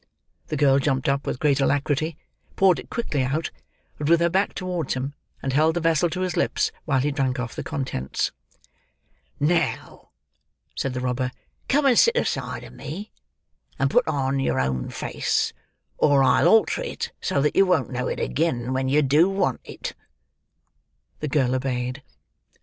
The girl jumped up, with great alacrity; poured it quickly out, but with her back towards him; and held the vessel to his lips, while he drank off the contents. "Now," said the robber, "come and sit aside of me, and put on your own face; or I'll alter it so, that you won't know it agin when you do want it." The girl obeyed.